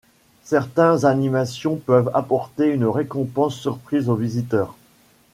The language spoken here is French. Certains animations peuvent apporter une récompense surprise au visiteur.